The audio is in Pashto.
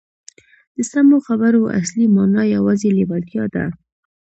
د سمو خبرو اصلي مانا یوازې لېوالتیا ده